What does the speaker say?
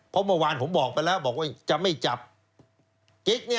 เพราะเมื่อวานผมบอกไปแล้วบอกว่าจะไม่จับกิ๊กเนี่ย